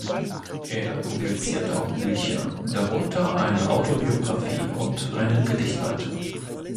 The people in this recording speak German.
Er publizierte auch Bücher, darunter eine Autobiografie und einen Gedichtband.